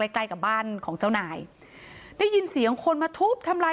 ใกล้ใกล้กับบ้านของเจ้านายได้ยินเสียงคนมาทุบทำลาย